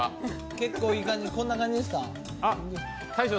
結構いい感じこんな感じですか？